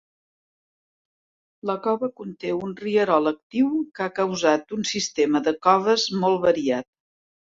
La cova conté un rierol actiu, que ha causat un sistema de coves molt variat.